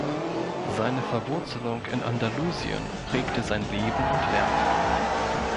Seine Verwurzelung in Andalusien prägte sein Leben und Werk.